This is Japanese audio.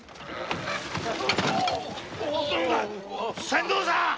船頭さん！